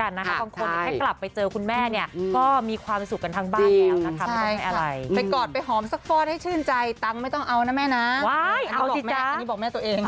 ก็หวังว่าจะได้เจอกันปีหน้าหรือว่าปีในเร็ววันนี้ครับผม